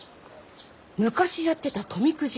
昔やってた富くじ